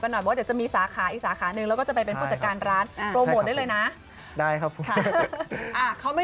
เพราะเดี๋ยวจะมีอีกสาขาหนึ่งแล้วก็จะไปเป็นผู้จัดการร้านโรโมทได้เลยนะ